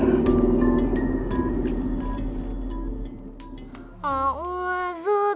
aku mau berdoa